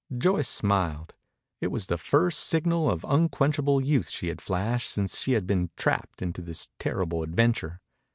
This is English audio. Joyce smiled. It was the first signal of unquenchable youth she had flashed since she had been trapped into this terrible adventure.